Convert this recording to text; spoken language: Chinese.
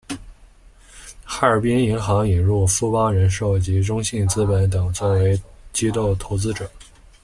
哈尔滨银行引入富邦人寿及中信资本等作为机构投资者。